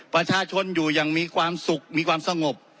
ประชาชนอยู่อย่างมีความสุขมีความสงบ